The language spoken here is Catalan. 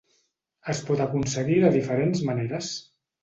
Es pot aconseguir de diferents maneres.